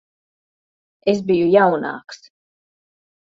Es biju jaunāks.